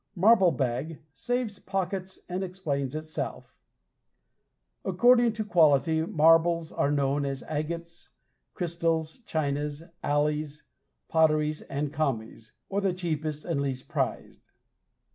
Marble Bag saves pockets and explains itself. According to quality, marbles are known as "agates," "crystals," "chinas," "alleys," "potteries," and "commies," or the cheapest and least prized.